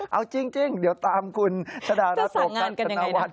เอาจริงเดี๋ยวตามคุณศาดานับโปรกษัตริย์ศนวัฒน์